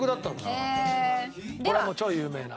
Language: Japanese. これも超有名な。